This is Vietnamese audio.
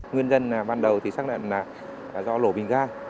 nguyên nhân ban đầu thì xác định là do nổ bình ga